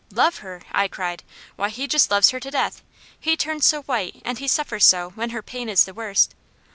"Love her?" I cried. "Why he just loves her to death! He turns so white, and he suffers so, when her pain is the worst.